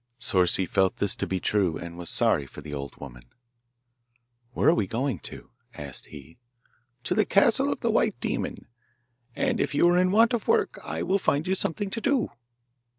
Souci felt this to be true, and was sorry for the old woman. 'Where are we going to?' asked he. 'To the castle of the White Demon; and if you are in want of work I will find you something to do.